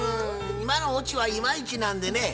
今のオチはいまいちなんでね